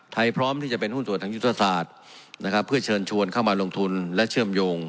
พร้อมที่จะเป็นหุ้นส่วนทางยุทธศาสตร์นะครับเพื่อเชิญชวนเข้ามาลงทุนและเชื่อมโยง